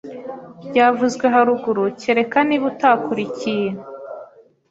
byavuzwe haruguru kereka niba utakurikiye